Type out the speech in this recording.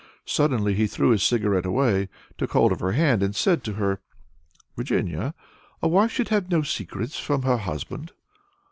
Suddenly he threw his cigarette away, took hold of her hand, and said to her, "Virginia, a wife should have no secrets from her husband."